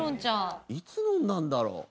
いつ飲んだんだろう？